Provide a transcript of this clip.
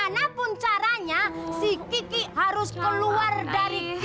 ngapain di mari